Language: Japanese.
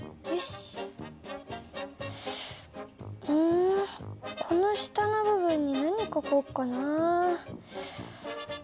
うんこの下の部分に何かこっかなあ。